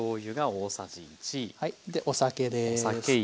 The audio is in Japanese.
でお酒です。